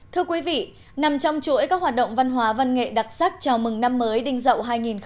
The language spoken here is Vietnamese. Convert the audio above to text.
thưa quý vị nằm trong chuỗi các hoạt động văn hóa văn nghệ đặc sắc chào mừng năm mới đinh dậu hai nghìn hai mươi